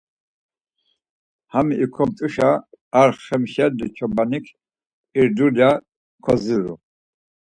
Hami ikomt̆uşa ar Xemşelli çobanik ir dulya kodziru.